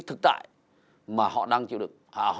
thực trại mà họ đang chịu được